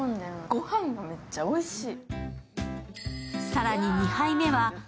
ご飯がめっちゃおいしい。